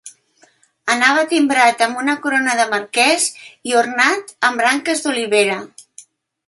Anava timbrat amb una corona de marquès i ornat amb branques d'olivera.